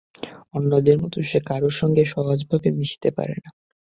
অন্যদের মতো সে কারো সঙ্গে সহজভাবে মিশতে পারে না।